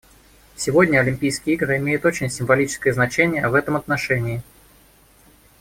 Сегодня Олимпийские игры имеют очень символическое значение в этом отношении.